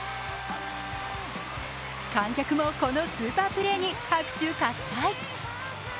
観客もこのスーパープレーに拍手喝采。